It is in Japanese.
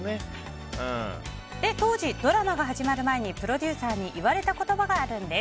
当時、ドラマが始まる前にプロデューサーに言われた言葉があるんです。